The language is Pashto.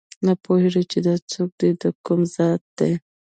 نه پوهېږو چې دا څوک دي دکوم ذات دي